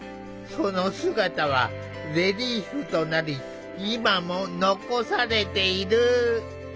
その姿はレリーフとなり今も残されている。